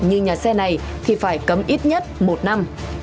như nhà xe này thì phải cấm ít nhất một năm